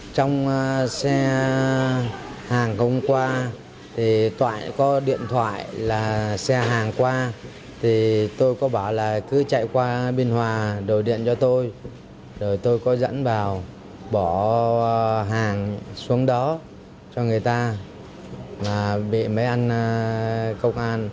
đội cảnh sát kinh tế môi trường công an tp biên hòa đã phát hiện nguyễn thu hằng ở khu phố biên hòa đang giao bốn bao thuốc lá điếu nhập lậu hiệu z và hero